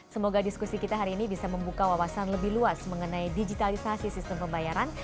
semoga diskusi kita hari ini bisa membuka wawasan lebih luas mengenai digitalisasi sistem pembayaran